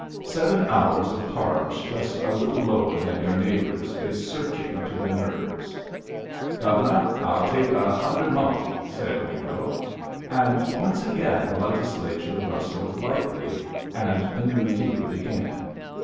Seven hours of cards just a little lower than your neighbor's is searching to the nerves. "Gove'nuh, I'll take a hun'red mo'," said Wingo; and once again the Legislature rustled lightly, and the new deal began.